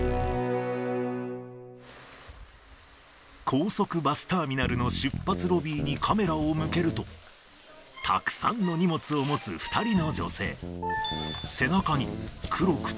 高速バスターミナルの出発ロビーにカメラを向けると、たくさんの荷物を持つ２人の女性。